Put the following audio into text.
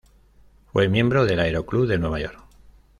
Fue miembro del Aero Club de Nueva York.